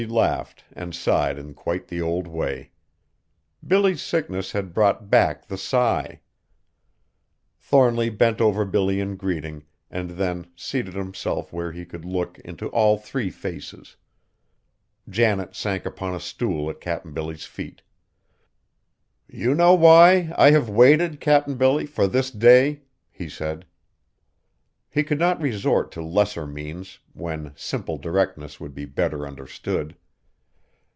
He laughed and sighed in quite the old way. Billy's sickness had brought back the sigh. Thornly bent over Billy in greeting, and then seated himself where he could look into all three faces. Janet sank upon a stool at Cap'n Billy's feet. "You know why I have waited, Cap'n Billy, for this day?" he said. He could not resort to lesser means, when simple directness would be better understood.